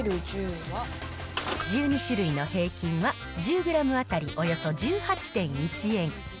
１２種類の平均は、１０グラム当たりおよそ１８．１円。